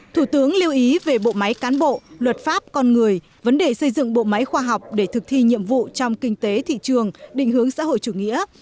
thủ tướng lưu ý về bộ máy cán bộ luật pháp con người vấn đề xây dựng bộ máy khoa học để thực thi nhiệm vụ trong kinh tế thị trường định hướng xã hội chủ nghĩa